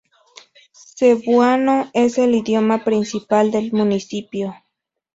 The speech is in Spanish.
Cebuano es el idioma principal del municipio.